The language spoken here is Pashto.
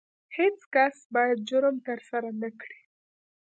هیڅ کس باید جرم ترسره نه کړي.